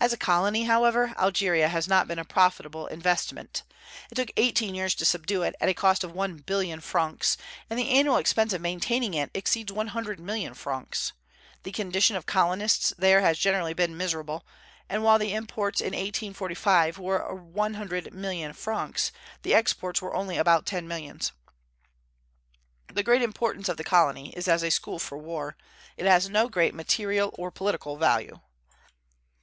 As a colony, however, Algeria has not been a profitable investment. It took eighteen years to subdue it, at a cost of one billion francs, and the annual expense of maintaining it exceeds one hundred million francs. The condition of colonists there has generally been miserable; and while the imports in 1845 were one hundred million francs, the exports were only about ten millions. The great importance of the colony is as a school for war; it has no great material or political value.